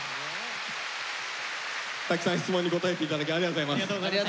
たくさん質問に答えていただきありがとうございます。